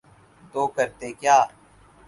تو کرتے کیا۔